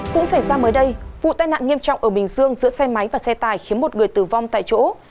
cũng xảy ra mới đây vụ tai nạn nghiêm trọng ở bình dương giữa xe máy và xe tải khiến một người tử vong tại chỗ